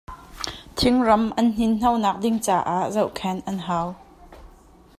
Thingram an hninhno nak ca ding ah zohkhenh an hau.